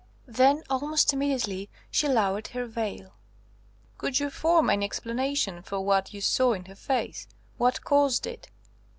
Then almost immediately she lowered her veil." "Could you form any explanation for what you saw in her face? What caused it?"